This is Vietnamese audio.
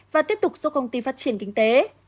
và tiếp tục giúp công ty phát triển kinh tế